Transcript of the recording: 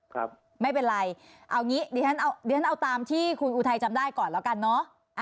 ครับไม่เป็นไรเอางี้เดี๋ยวฉันเอาตามที่คุณอุทัยจำได้ก่อนแล้วกันเนอะ